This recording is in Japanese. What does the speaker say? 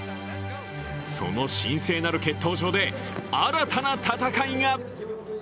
その神聖なる決闘場で新たな戦いが！